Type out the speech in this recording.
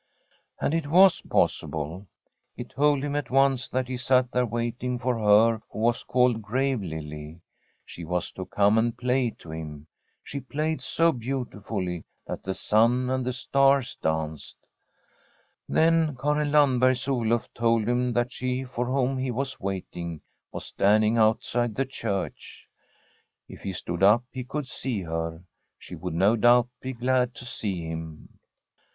And it was possible. He told him at once that he sat there waiting for her who was called Grave Lily. She was to come and play to [III] /tm m SfFEDtSB HOMESTEAD hiiiL She pbyed so beantifnllT that tbe stm and the stars danced. Then Karin Landberg*s Olnf told hmi that she for whom he was waiting was standing out side the church. If he stood up, he could see her. She would, no doubt, be glad to see Imn.